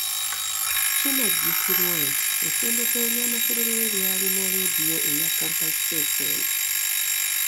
Kinajjukirwa nti ettendekero lya Makerere lyalina leediyo eya Campus Fm